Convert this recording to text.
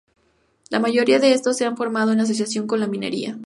La mayoría de estos se han formado en asociación con la minería.